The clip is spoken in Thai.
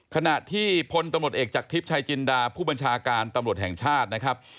ขณะที่พลตำรวจเอกจากทิพย์ชายจินดาผู้บัญชาการตำรวจแห่งชาตินะครับ